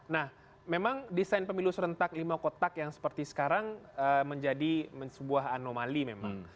nah memang desain pemilu serentak lima kotak yang seperti sekarang menjadi sebuah anomali memang